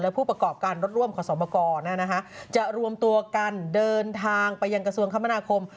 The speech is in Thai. ผู้ประกอบการรถร่วมขอสมกรจะรวมตัวกันเดินทางไปยังกระทรวงคมนาคม